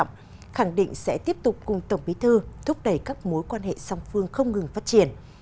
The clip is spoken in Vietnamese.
tổng bí thư nguyễn phú trọng khẳng định sẽ tiếp tục cùng tổng bí thư thúc đẩy các mối quan hệ song phương không ngừng phát triển